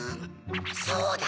そうだ！